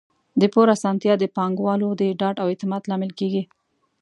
د پور اسانتیا د پانګوالو د ډاډ او اعتماد لامل کیږي.